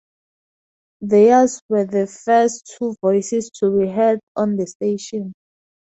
Theirs were the first two voices to be heard on the station.